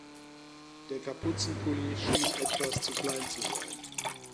Der Kapuzenpulli schien etwas zu klein zu sein.